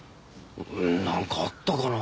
なんかあったかな？